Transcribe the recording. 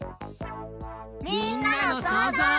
みんなのそうぞう。